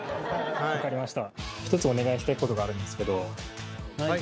わかりました。